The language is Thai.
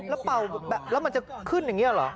แล้วมันจะขึ้นอย่างนี้หรอ